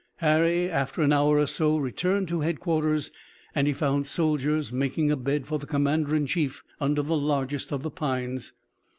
Harry, after an hour or so, returned to headquarters and he found soldiers making a bed for the commander in chief under the largest of the pines.